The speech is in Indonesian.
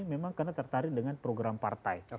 memang karena tertarik dengan program partai